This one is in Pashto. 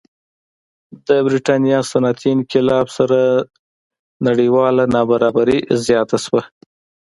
د برېټانیا صنعتي انقلاب سره نړیواله نابرابري زیاته شوه.